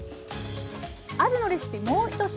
あじのレシピもう１品。